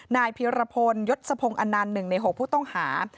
นายเพียรพลยศพงศ์อนันต์๑ใน๖ผู้ต้องหา